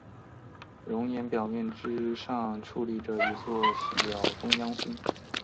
熔岩表面之上矗立着一座小中央峰。